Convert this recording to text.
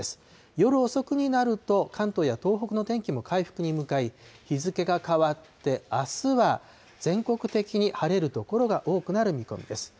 夜遅くになると、関東や東北の天気も回復に向かい、日付が変わってあすは、全国的に晴れる所が多くなる見込みです。